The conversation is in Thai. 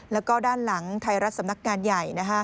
แล้วก็ด้านหลังไทยรัฐสำนักงานใหญ่